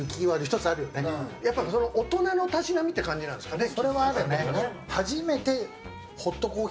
大人のたしなみって感じなんですかね。